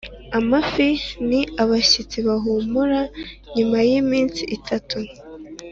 amafi n'abashyitsi bahumura nyuma y'iminsi itatu